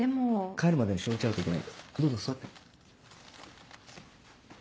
帰るまでにしおれちゃうといけないんでどうぞ座って。